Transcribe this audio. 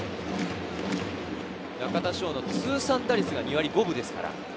中田翔の通算打率は２割５分です。